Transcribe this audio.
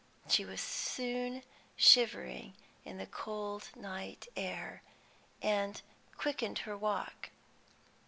She was soon shivering in the cold night air, and quickened her walk.